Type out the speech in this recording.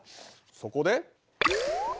そこで。